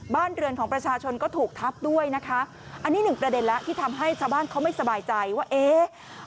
บ้านเรือนของประชาชนก็ถูกทับด้วยนะคะอันนี้หนึ่งประเด็นแล้วที่ทำให้ชาวบ้านเขาไม่สบายใจว่าเอ๊ะ